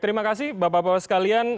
terima kasih bapak bapak sekalian